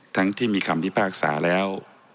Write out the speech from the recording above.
ทั้งที่มีคำที่ภาคสาแล้ว